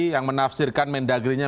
yang menafsirkan mendagrinya